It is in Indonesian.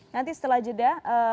nanti setelah jeda